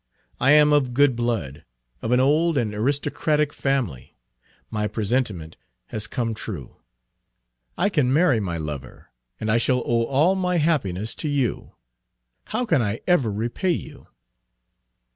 I am of good blood, of an old and aristocratic family. My presentiment has come true. I can marry my lover, and I shall owe all my happiness to you. How can I ever repay you?"